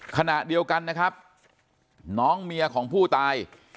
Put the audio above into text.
ขณะเดียวกันนะครับน้องเมียของผู้ตาย